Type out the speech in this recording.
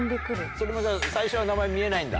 それも最初は名前見えないんだ。